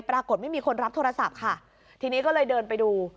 ปรากฏไม่มีคนรับโทรศัพท์ค่ะทีนี้ก็เลยเดินไปดู